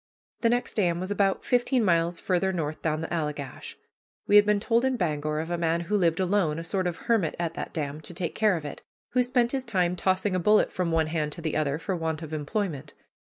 The next dam was about fifteen miles farther north down the Allegash. We had been told in Bangor of a man who lived alone, a sort of hermit, at that dam, to take care of it, who spent his time tossing a bullet from one hand to the other, for want of employment.